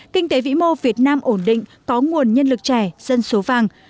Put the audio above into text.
kinh tế vĩ mô việt nam ổn định có nguồn nhân lực trẻ dân số vàng